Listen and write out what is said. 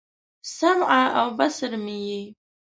سمع او بصر مې یې